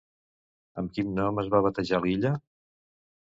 Amb quin nom es va batejar l'illa?